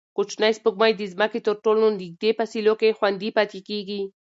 کوچنۍ سپوږمۍ د ځمکې تر ټولو نږدې فاصلو کې خوندي پاتې کېږي.